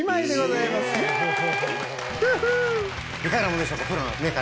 いかがなものでしょうか？